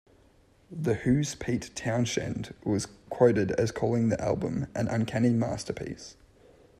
The Who's Pete Townshend was quoted as calling the album "an uncanny masterpiece".